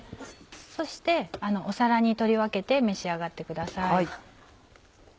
そして皿に取り分けて召し上がってください。